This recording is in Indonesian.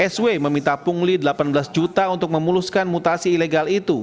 sw meminta pungli delapan belas juta untuk memuluskan mutasi ilegal itu